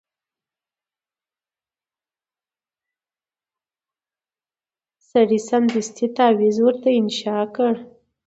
سړي سمدستي تعویذ ورته انشاء کړ